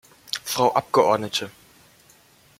Frau Abgeordnete!